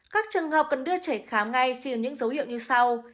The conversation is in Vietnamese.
các trường hợp cần đưa trẻ khám ngay khi những dấu hiệu như sau